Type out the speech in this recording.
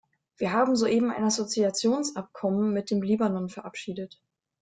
Wir haben soeben ein Assoziationsabkommen mit dem Libanon verabschiedet.